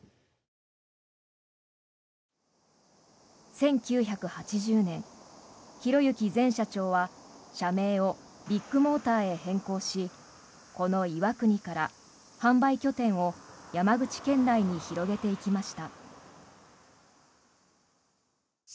１９８０年、宏行前社長は社名をビッグモーターへ変更しこの岩国から販売拠点を山口県内に広げていきました。